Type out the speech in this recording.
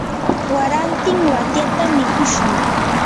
warantin watyatam mikushun.